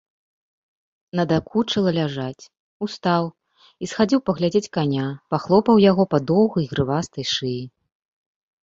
Надакучыла ляжаць, устаў і схадзіў паглядзець каня, пахлопаў яго па доўгай грывастай шыі.